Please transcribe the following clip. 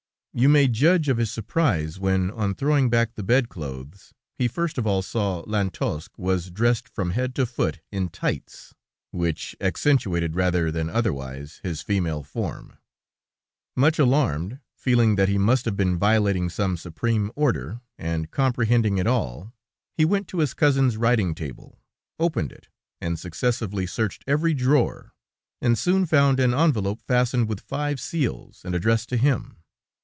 "You may judge of his surprise when, on throwing back the bed clothes, he first of all saw that Lantosque was dressed from head to foot in tights, which accentuated, rather than otherwise, his female form. "Much alarmed, feeling that he must have been violating some supreme order, and comprehending it all, he went to his cousin's writing table, opened it, and successively searched every drawer, and soon found an envelope fastened with five seals, and addressed to him.